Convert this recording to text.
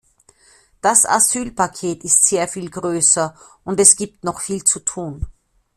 Das Asylpaket ist sehr viel größer, und es gibt noch viel zu tun.